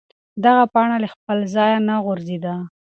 دغه پاڼه له خپل ځایه نه غورځېده.